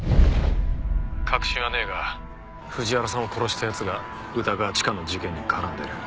確信はねえが藤原さんを殺した奴が歌川チカの事件に絡んでる。